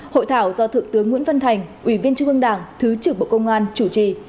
hội thảo do thượng tướng nguyễn văn thành ủy viên trung ương đảng thứ trưởng bộ công an chủ trì